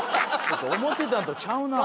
思ってたんとちゃうなあ。